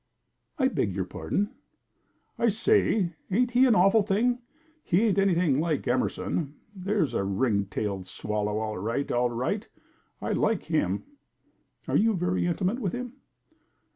"I beg your pardon." "I say, ain't he an awful thing? He ain't anything like Emerson. There's a ring tailed swallow, all right, all right! I like him." "Are you very intimate with him?"